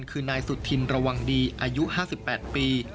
คือนายสุธินระวังดีอายุ๕๘ปี